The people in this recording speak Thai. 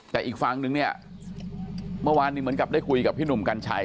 แต่อีกฝั่งนึงเนี่ยเมื่อวานนี้เหมือนกับได้คุยกับพี่หนุ่มกัญชัย